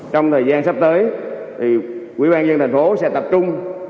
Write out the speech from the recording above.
trong thời gian sắp tới quỹ ban dân thành phố sẽ tập trung